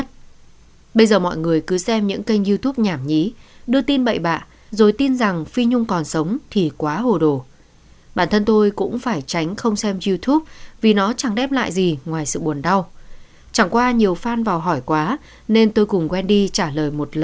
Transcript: tôi mong những người làm youtube hãy có lương tâm và đạo đức hơn một chút